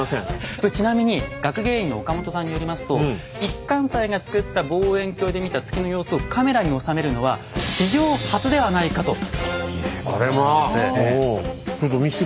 これちなみに学芸員の岡本さんによりますと一貫斎が作った望遠鏡で見た月の様子をカメラに収めるのは史上初ではないかということなんです。